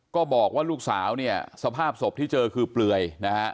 ก็บอกว่าลูกสาวเนี่ยสภาพศพที่เจอคือเปลือยนะฮะ